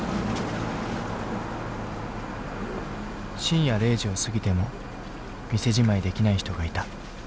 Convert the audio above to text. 深夜０時を過ぎても店じまいできない人がいた。